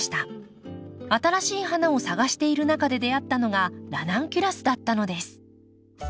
新しい花を探している中で出会ったのがラナンキュラスだったのです。